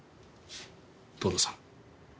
藤堂さん。